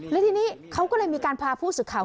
และทีนี้เขาก็เลยมีการพาผู้สื่อข่าว